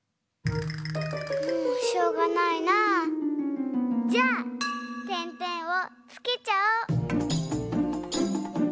もうしょうがないなぁ。じゃあてんてんをつけちゃおう！